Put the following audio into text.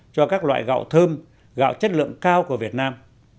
cho các loại gạo thơm gạo chất lượng cao của việt nam